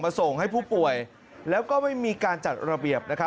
ส่งให้ผู้ป่วยแล้วก็ไม่มีการจัดระเบียบ